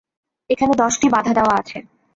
এখানে দশটি বাধা দেওয়া আছে।